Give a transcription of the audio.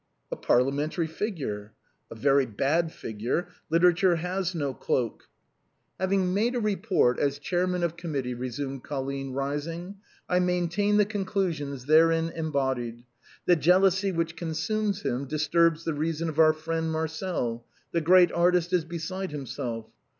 "A Parliamentary figure." "A very bad figure ; literature has no cloak !"" Having made a report, as chairman of committee," resumed Colline, rising, " I maintain the conclusions there in embodied. The jealousy which consumes him disturbs the reason of our friend Marcel; the great artist is beside himself."